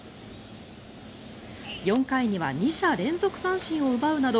４回には２者連続三振を奪うなど